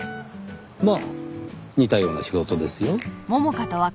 まあ似たような仕事ですよ。